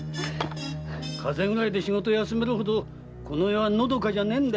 風邪で仕事が休めるほどこの世はのどかじゃないんだ。